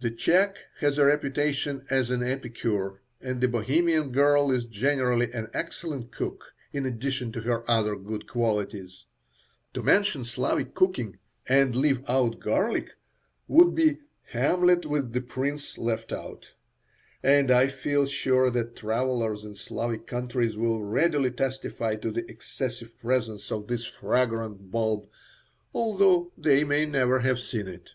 The Czech has a reputation as an epicure, and the Bohemian girl is generally an excellent cook, in addition to her other good qualities. To mention Slavic cooking and leave out garlic would be "Hamlet with the Prince left out," and I feel sure that travellers in Slavic countries will readily testify to the excessive presence of this fragrant bulb, although they may never have seen it.